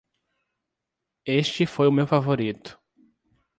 Este foi o meu favorito!